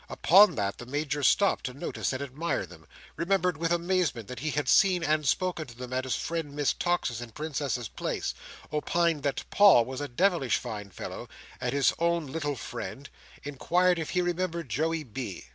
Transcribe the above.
Upon that the Major stopped to notice and admire them; remembered with amazement that he had seen and spoken to them at his friend Miss Tox's in Princess's Place; opined that Paul was a devilish fine fellow, and his own little friend; inquired if he remembered Joey B.